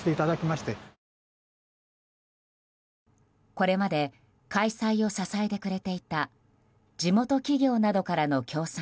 これまで開催を支えてくれていた地元企業などからの協賛